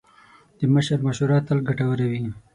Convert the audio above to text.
د مشر مشوره تل ګټوره وي.